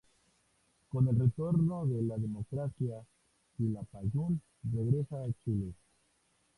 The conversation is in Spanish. Con el retorno de la democracia, Quilapayún regresa a Chile.